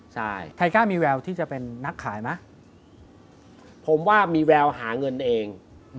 ใช่ใครกล้ามีแววที่จะเป็นนักขายไหมผมว่ามีแววหาเงินเอง